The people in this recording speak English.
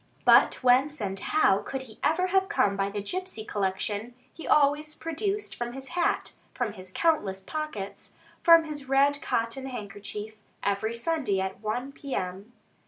But whence and how could he ever have come by the gipsey collection he always produced from his hat, from his countless pockets, from his red cotton handkerchief, every Sunday at 1 P.M.?